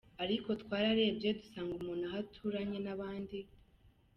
Ariko twararebye dusanga umuntu aba aturanye n’abandi.